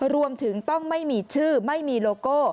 รวมถึงต้องไม่มีชื่อไม่มีโลโก้